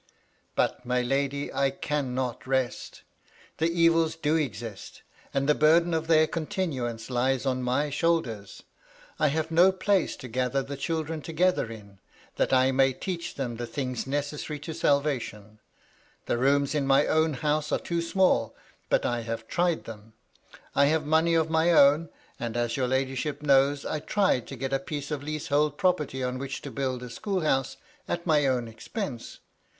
" But, my lady, I cannot rest The evils do exist, and the burden of their continuance lies on my shoulders. I have no place to gather the children together in, that I may teach them the things necessary to salvation. The rooms in my own house are too small; but I have tried them. I have money of my own ; and, as your ladyship knows, I tried to get a piece of leasehold property on which to build a school house at my own expense.